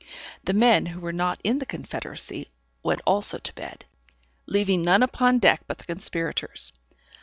The men who were not in the confederacy went also to bed, leaving none upon deck but the conspirators.